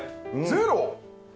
ゼロ！